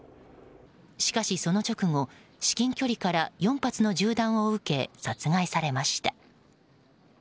しかし、その直後至近距離から４発の銃弾を受け殺害されました。